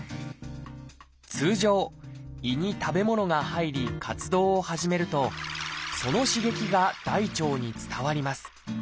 通常胃に食べ物が入り活動を始めるとその刺激が大腸に伝わります。